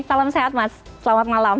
salam sehat mas selamat malam